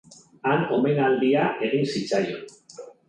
Han, omenaldia egin zitzaion.